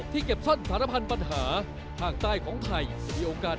ถ้าบอกว่าคุณแหม่นสุริภาจะเสียใจ